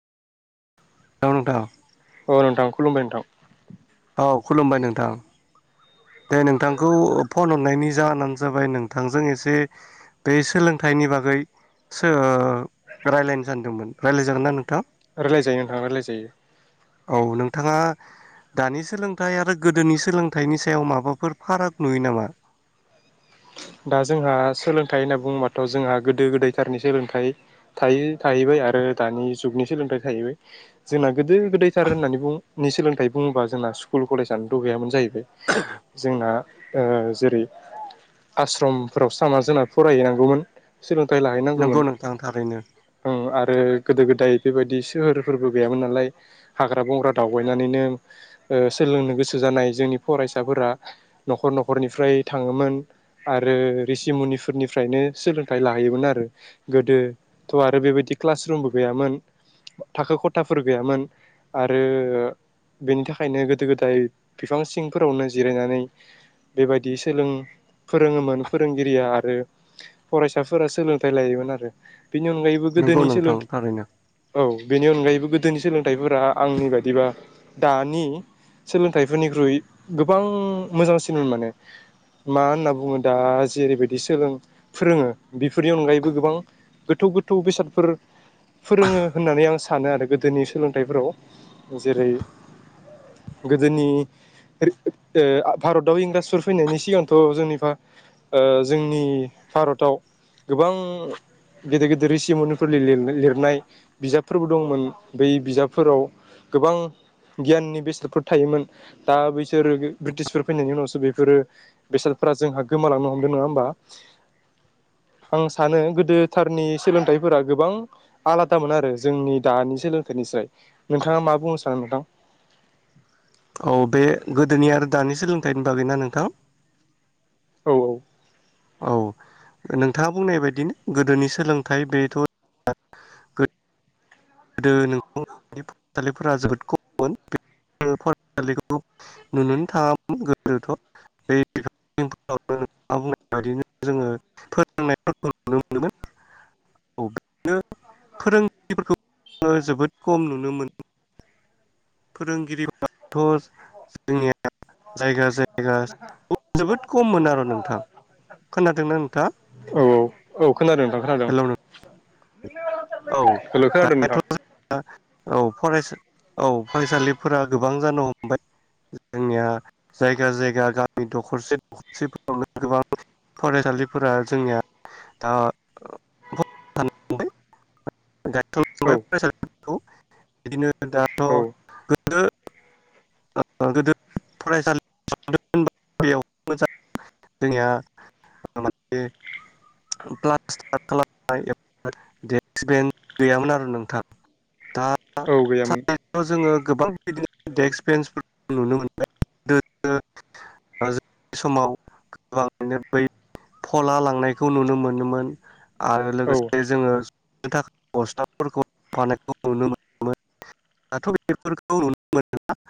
दावन दाव [unintelligible] औ नोंथां खुलुमबाय नोंथां। औ खुलुमबाय नोंथां। दे नोंथांखौ फन हरनायनि जाहोनानो जाबाय नोंथांजों एसे बे सोलोंथाइनि नि बागैसो रायज्लायनो सानदोंमोन रायज्लाय जागोनना नोंथां? रायलायजायो नोंथां रायलायजायो औ । नोंथाङा दानि सोलोंथाइ आरो गोदोनि सोलोंथाइनि सायाव। सायाव माबाफोर फाराग नुयो नामा? दा जोंहा सोलोंथाइ होनना बुङोबाथ' जोंहा गोदो गोदायथारनि सोलोंथाइ थायो थाहैबाय आरो दानि जुगनि सोलोंथाइ थाहैबाय, जोंना गोदो गोदैथार होननानै बुं नि सोलोंथाइ बुङोबा जोंना स्कुल कलेजानोथ' गैयामोन जाहैबाय। जोंना ओ जेरै आस्रमफोरावसो थांना जोंना फरायहैनांगौमोन। सोलोंथाइ नंगौ लाहैनांगौमोन नोंथां थारैनो ओं आरो ओ गोदो गोदाय बेबायदि सोहोरफोरबो गैयामोन नालाय हाग्रा बंग्रा दावबायनानैनो। ओ सोलोंनो गोसो जानाय जोंनि फरायसाफोरा न'खर न'खरनिफ्राय थाङोमोन। आरो रिसिमुनिफोरनिफ्रायनो सोलोंथाइ लाहैयोमोन आरो, गोदोथ' आरो बेबायदि क्लास रुमबो गैयामोन, थाखो खथाफोर गैयामोन, आरो बेनि थाखायनो गोदो गोदाय बिफां सिंफोरावनो जिरायनानै बेबायदि सोलों फोरोङोमोन फोरोंगिरिया आरो फरायसाफोरा सोलोंथाइ लायोमोन आरो। बेनि अनगायैबो नंगौ गोदोनि सोलों नोंथां थारैनो औ बेनि अनगायैबो गोदोनि सोलोंथाइफोरा आंनि बायदिबा दानि सोलोंथाइफोरनिख्रुइ गोबां मोजांसिनमोन माने मा होनना बुङो दा जेरैबायदि सोलों फोरोङो बेफोरनि अनगायैबो गोबां गोथौ गोथौ बेसादफोर फोरोङो होननानै आं सानो आरो गोदोनि सोलोंथाइफोराव जेरै- गोदोनि ओ भारताव इंराजफोर फैनायनि सिगांथ' जोंनिबा ओ जोंनि भारताव गोबां गेदेर गेदेर रिसिमनिफोरनि लिर-लिरनाय बिजाबफोरबो दंमोन बै बिजाबफोराव गोबां गियाननि बेसादफोर थायोमोन दा बैसोर गो ब्रिटिसफोर फैनायनि उनावसो बेफोरो बेसादफोरा जोंहा गोमालांनो हमदों नङा होमबा आं सानो गोदोथारनि सोलोंथाइफोरा गोबां आलादामोन आरो जोंनि दानि सोलोंथाइनि स्राय नोंथाङा मा बुंनो सानो नोंथां औ बे गोदोनि आरो दानि सोलोंथाइनि बागैना नोंथां औ औ औ नोंथाङा बुंनाय बायदिनो गोदोनि सोलोंथाइ बेथ' गो दो [unintelligible] जोबोद खममोन [unintelligible] नुनोनो थाङामोन गोदोथ' [unintelligible] [unintelligible] औ [unintelligible] जोबोद खम नुनो मोनो फोरोंगिरिबोथ' जोंनिया जायगा जाय गास जोबोद खममोन आरो नोंथां खोनादोंना नोंथाङा? औ औ खोनादों नोंथां खोनादों हेलौ नों औ हलौ खोनादों दाथ' नोंथां। जोंना औ फरायसा औ फरायसालिफोरा गोबां जानो हमबाय जोंनिया जायगा जायगा गामि द'खरसे द'खरसेफोरावनो गोबां फरायसालिफोरा जोंनिया दा औ [unintelligible] [unintelligible] खौ बिदिनो [unintelligible] औ [unintelligible] बेयाव [unintelligible] [unintelligible] [unintelligible] गैयामोन आरो नोंथां दा औ गैयामोन [unintelligible] गोबां बिदिनो [unintelligible] ओ जों समाव गोबाङैनो बै फला लांनायखौ नुनो मोनोमोन आरो औ लोगोसे जोङो [unintelligible] बस्थाफोरखौ होफानायखौ नुनो मोनोमोन दाथ' [unintelligible]